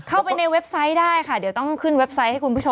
เข้าไปในเว็บไซต์ได้ค่ะเดี๋ยวต้องขึ้นเว็บไซต์ให้คุณผู้ชม